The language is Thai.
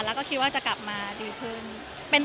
แล้วจะกลับมาดีพึ่ง